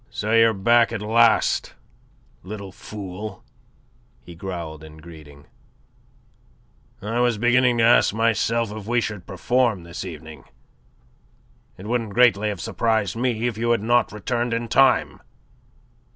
"So you're back at last, little fool," he growled in greeting. "I was beginning to ask myself if we should perform this evening. It wouldn't greatly have surprised me if you had not returned in time.